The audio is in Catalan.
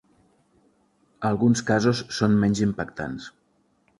Alguns casos són menys impactants.